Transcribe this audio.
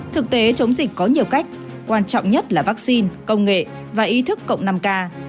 thực tế chống dịch có nhiều cách quan trọng nhất là vaccine công nghệ và ý thức cộng năm k